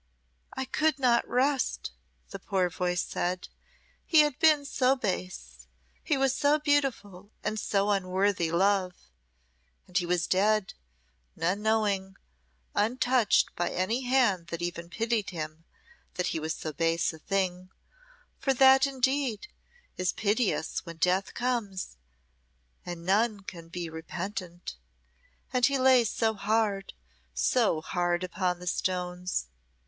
"I could not rest," the poor voice said. "He had been so base, he was so beautiful, and so unworthy love and he was dead, none knowing, untouched by any hand that even pitied him that he was so base a thing, for that indeed is piteous when death comes and none can be repentant. And he lay so hard, so hard upon the stones."